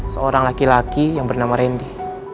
seorang laki laki yang bernama randy